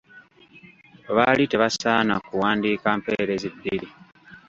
Baali tebasaana kuwandiika mpeerezi bbiri.